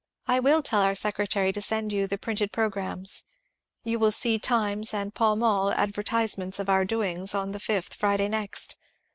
I will tell our secretary to send you the printed pro grammes. You will see (" Times " and " Pall Mall ") adver tisements of our doings on the 5th, Friday next.